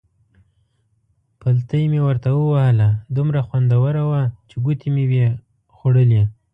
پلتۍ مې ورته ووهله، دومره خوندوره وه چې ګوتې مې وې خوړلې.